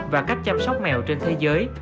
và cách chăm sóc mèo trên thế giới